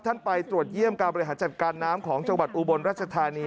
ไปตรวจเยี่ยมการบริหารจัดการน้ำของจังหวัดอุบลรัชธานี